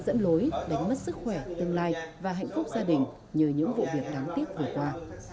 dẫn lối đánh mất sức khỏe tương lai và hạnh phúc gia đình như những vụ việc đáng tiếc vừa qua